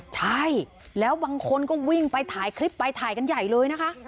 ใช่แล้วบางคนก็วิ่งไปถ่ายคลิปไปถ่ายกันใหญ่เลยนะคะ